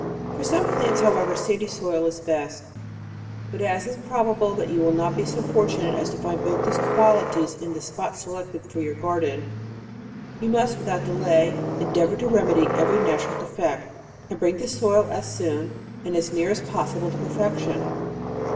For some plants, however, a sandy soil is best ; but as it is probable that DECEMBER, 1 9t> you will not tie so fortunate as to tind both these qualities in the spot selected for your garden, you must without delay, endeavor to remedy every natural defect, and bring the soil as soon, and a3 near as possible to per fection.